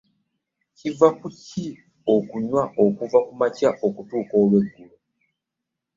Kiva ku ki okunywa okuva kumakya okutuuka olweggulo?